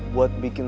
dia saja pelan